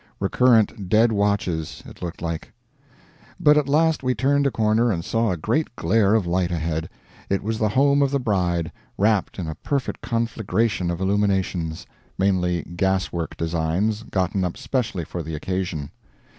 Recurrent dead watches, it looked like. But at last we turned a corner and saw a great glare of light ahead. It was the home of the bride, wrapped in a perfect conflagration of illuminations, mainly gas work designs, gotten up specially for the occasion.